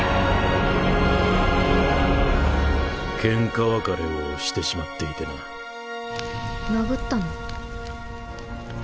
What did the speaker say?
ケンカ別れをしてしまって殴ったの？